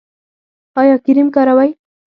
ایا کریم کاروئ؟